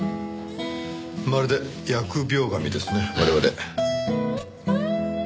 まるで疫病神ですね我々。